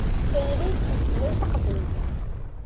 S tayri i yettmeslay taqbaylit.